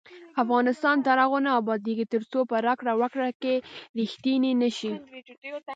افغانستان تر هغو نه ابادیږي، ترڅو په راکړه ورکړه کې ریښتیني نشو.